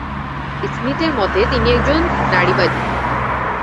স্মিথের মতে, তিনি একজননারীবাদী।